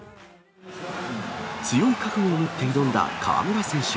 強い覚悟を持って挑んだ河村選手。